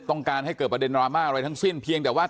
ต้องการให้เกิดประเด็นดราม่าอะไรทั้งสิ้นเพียงแต่ว่า